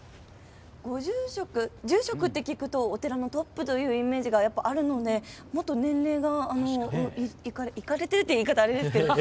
住職って聞くとお寺のトップというイメージがあるのでもっと年齢がいかれてるっていう言い方はあれですが。